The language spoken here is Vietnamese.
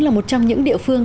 là một trong những địa phương